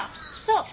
そう。